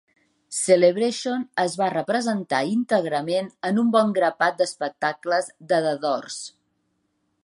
"Celebration" es va representar íntegrament en un bon grapat d'espectacles de The Doors.